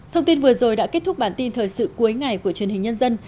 thông tin vừa rồi đã kết thúc bản tin thời sự cuối ngày của truyền hình nhân dân